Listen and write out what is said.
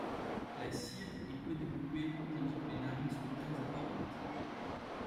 La cire est peu développée tandis que les narines sont très apparentes.